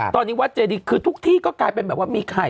ตอนนี้วัดเจดีคือทุกที่ก็กลายเป็นแบบว่ามีไข่